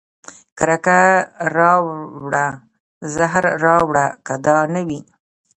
کرکه راوړه زهر راوړه که دا نه وي